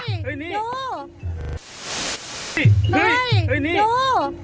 เฮ้ยนี่ดู